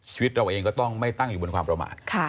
ชีวิตเราเองก็ต้องไม่ตั้งอยู่บนความประมาท